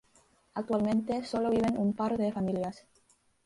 Actualmente sólo viven un par de familias.